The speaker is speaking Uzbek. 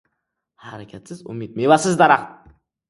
• Harakatsiz umid — mevasiz daraxt.